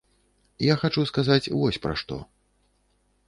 Я хачу сказаць вось пра што.